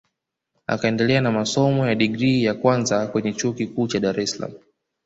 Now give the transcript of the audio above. Akaendelea na masomo ya digrii ya kwanza kwenye Chuo Kikuu cha Dar es Salaam